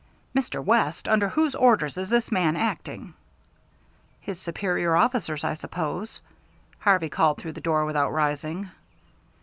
"Mr. West, under whose orders is this man acting?" "His superior officer's, I suppose," Harvey called through the door without rising.